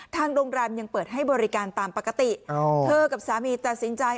ทางโรงแรมยังเปิดให้บริการตามปกติเธอกับสามีตัดสินใจ